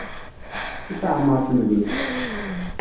I teɛmer temdint.